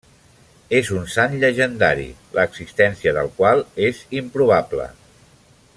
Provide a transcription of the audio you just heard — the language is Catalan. És un sant llegendari, l'existència del qual és improbable.